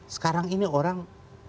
sekarang ini orang